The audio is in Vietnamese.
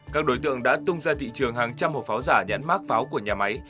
các đối tượng đã tung ra thị trường hàng trăm hộp pháo giả nhãn mát pháo của nhà máy